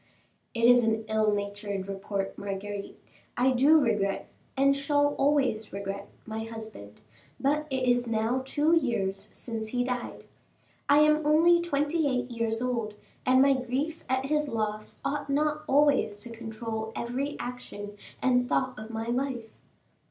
"It is an ill natured report, Marguerite. I do regret, and shall always regret, my husband; but it is now two years since he died. I am only twenty eight years old, and my grief at his loss ought not always to control every action and thought of my life.